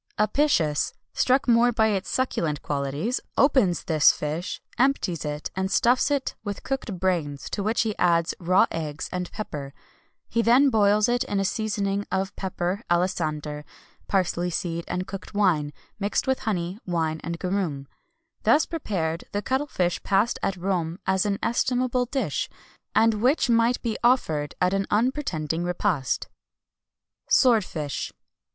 Apicius, struck more by its succulent qualities, opens this fish, empties it, and stuffs it with cooked brains, to which he adds raw eggs and pepper; he then boils it in a seasoning of pepper, alisander, parsley seed, and cooked wine, mixed with honey, wine, and garum.[XXI 177] Thus prepared, the cuttle fish passed at Rome as an estimable dish, and which might be offered at an unpretending repast. SWORDFISH.